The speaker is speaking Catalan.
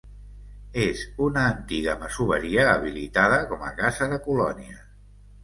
És una antiga masoveria habilitada com a casa de colònies.